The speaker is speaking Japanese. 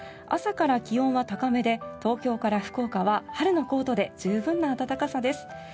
朝から気温は高めで東京から福岡は春のコートで十分な暖かさです。